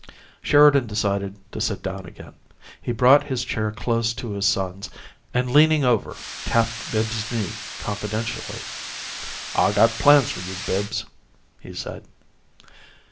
Sheridan decided to sit down again. He brought his chair close to his son's, and, leaning over, tapped Bibbs's knee confidentially. "I got plans for you, Bibbs," he said.